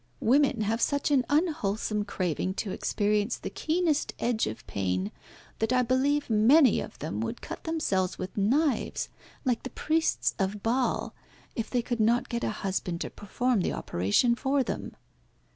Women have such an unwholesome craving to experience the keenest edge of pain, that I believe many of them would cut themselves with knives, like the priests of Baal, if they could not get a husband to perform the operation for them."